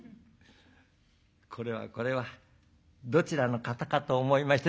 「これはこれはどちらの方かと思いまして」。